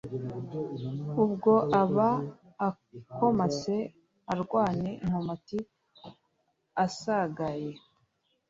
ubwo aba akomase arwanye inkomati, asagaye